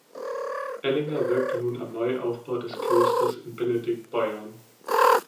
Ellinger wirkte nun am Neuaufbau des Klosters in Benediktbeuern.